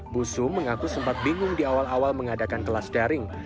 busu mengaku sempat bingung di awal awal mengadakan kelas daring